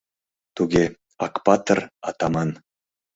Туге, Акпатыр-атаман.